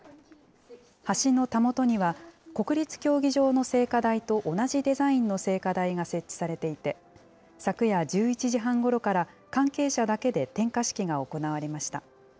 橋のたもとには、国立競技場の聖火台と同じデザインの聖火台が設置されていて、昨夜１１時半ごろから、関係者だけで点火式が行われました。